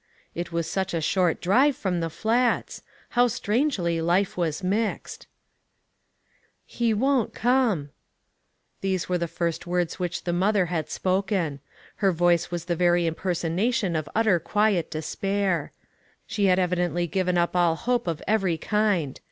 It was such a short drive from the Flats ! How strangely life was mixed !" He won't come !" These were the first words which the mother had spoken. Her voice was the very impersonation of utter quiet despair. She had evidently given up all hope of every kind.